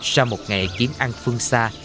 sau một ngày kiếm ăn phương xa